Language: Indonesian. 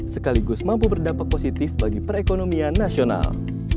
sekaligus mampu berdampak positif bagi perekonomian nasional